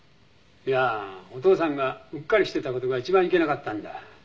「いやーお父さんがうっかりしていた事が一番いけなかったんだ。